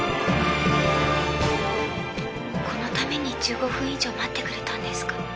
このために１５分以上待ってくれたんですか？